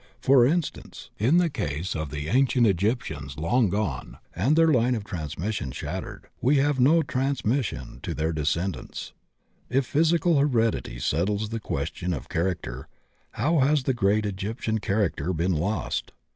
For instance, in the case of the ancient Egyptians long gone and their line of transmission shattered, we have no transmission to their descend ants. U physical heredity settles the question of char acter, how has the great Egyptian character been lost?